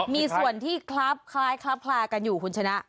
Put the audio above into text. มีส่วนที่คล้ายกันอยู่คุณชนะ